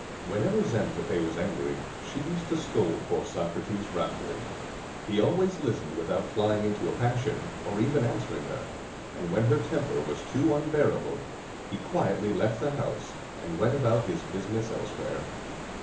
Whenever Xanthippe was angry, she used to scold poor Socrates roundly. He always listened without flying into a passion, or even answering her; and when her temper was too unbearable, he quietly left the house, and went about his business elsewhere.